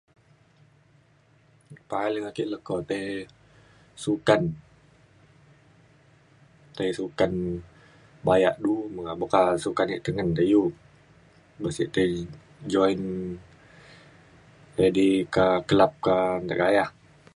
paling ake leko tai sukan tai sukan bayak du meka sukan de tengen de iu du sik tei join edi ka club ka de gayah